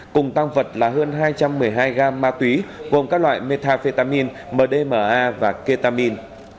cùng tăng vật là hơn hai trăm một mươi hai gam ma túy gồm các loại metafetamin mdma và ketamin